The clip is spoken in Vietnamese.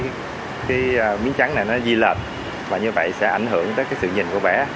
cái miếng trắng này nó di lợn và như vậy sẽ ảnh hưởng tới cái sự nhìn của bé